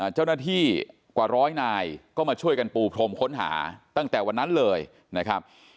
เจ้าหน้าที่กว่าร้อยนายก็มาช่วยกันปูพรมค้นหาตั้งแต่วันนั้นเลยนะครับ